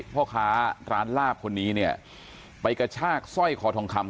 พ่อค้าร้านลาบคนนี้เนี่ยไปกระชากสร้อยคอทองคำ